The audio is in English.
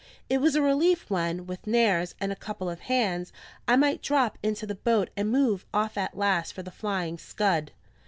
It was a relief when, with Nares, and a couple of hands, I might drop into the boat and move off at last for the Flying Scud.